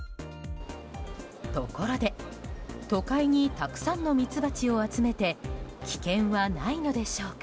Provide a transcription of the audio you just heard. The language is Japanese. ところで、都会にたくさんのミツバチを集めて危険はないのでしょうか。